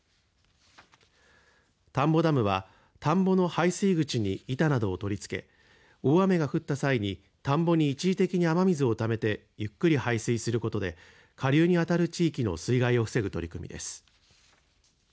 田んぼダムは田んぼの排水口に板などを取り付け大雨が降った際に田んぼに一時的に雨水をためてゆっくり排水することで下流に当たる地域の水害を防ぐ取り組みです。